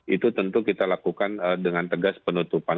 itu tentu kita lakukan dengan tegas penutupan